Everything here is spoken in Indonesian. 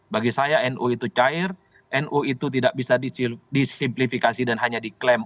bagi saya nu itu cair nu itu tidak bisa disimplifikasi dan hanya diklaim